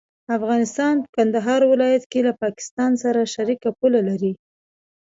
افغانستان په کندهار ولايت کې له پاکستان سره شریکه پوله لري.